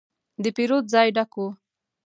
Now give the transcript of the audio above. د پیرود ځای ډک و.